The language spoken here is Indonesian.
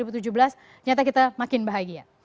ternyata kita makin bahagia